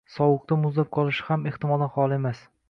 sovuqda muzlab qolishi ham ehtimoldan xoli emas.